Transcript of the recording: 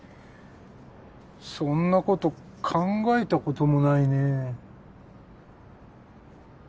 そんなこと考えたこともないね。